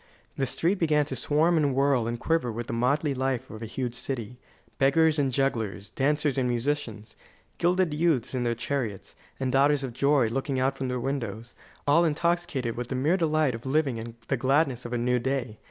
The street began to swarm and whirl and quiver with the motley life of a huge city: beggars and jugglers, dancers and musicians, gilded youths in their chariots, and daughters of joy looking out from their windows, all intoxicated with the mere delight of living and the gladness of a new day.